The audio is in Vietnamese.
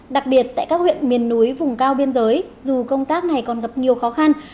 đặc biệt tại các huyện miền núi vùng cao biên giới dù công tác này còn gặp nhiều khó khăn